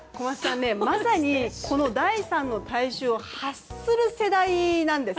まさに第３の体臭を発する世代なんです。